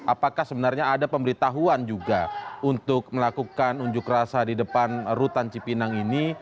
apakah sebenarnya ada pemberitahuan juga untuk melakukan unjuk rasa di depan rutan cipinang ini